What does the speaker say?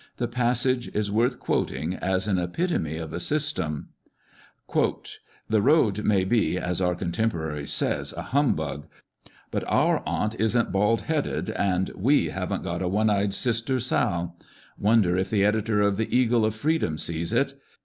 The passage is worth quoting as an epitome of a system :" The road may be, as our contemporary says, a humbug; but our aunt isn't baldheaded, and we hav'nt got a one eyed sister Sal ! Wonder if the editor of the Eagle of Freedom sees it.